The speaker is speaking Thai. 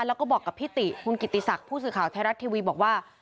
แล้วก็บอกกับพี่ติคุณกิติศักดิ์ผู้สื่อข่าวไทยรัฐทีวีบอกว่า